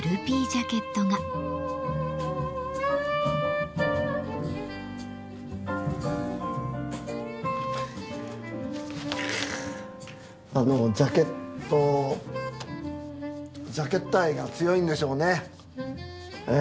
ジャケットジャケット愛が強いんでしょうね。